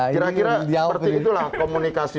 kira kira seperti itulah komunikasi